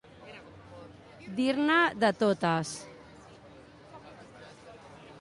Dir-ne de totes.